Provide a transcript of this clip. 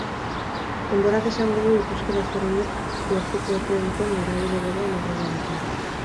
Denborak esango du ikuskera ezberdinek lortuko ote duten norabide berean aurrera egitea.